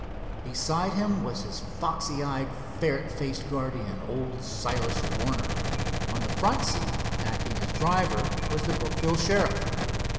Beside him was his foxy eyed, ferret faced guardian, old Silas Warner. On the front seat, acting as driver, was the Brookville sheriff.